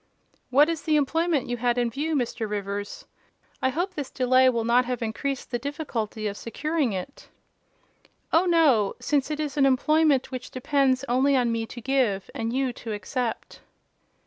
"What is the employment you had in view, Mr. Rivers? I hope this delay will not have increased the difficulty of securing it." "Oh, no; since it is an employment which depends only on me to give, and you to accept."